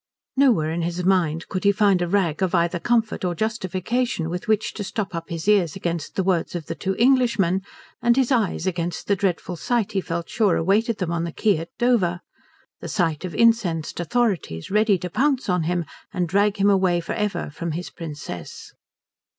Nowhere in his mind could he find a rag of either comfort or justification with which to stop up his ears against the words of the two Englishmen and his eyes against the dreadful sight he felt sure awaited them on the quay at Dover the sight of incensed authorities ready to pounce on him and drag him away for ever from his Princess.